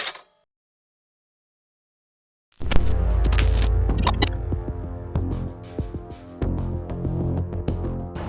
การได้รับความสุขให้เพื่อนและพ่อสามารถถึงสถานที่ที่สุด